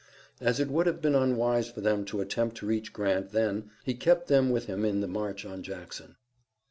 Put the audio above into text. As it would have been unwise for them to attempt to reach Grant then he kept them with him in the march on Jackson.